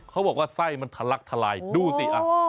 เขาบอกว่าไส้มันทะลักทลายดูสิ